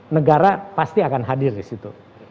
negara pasti akan hadir disitu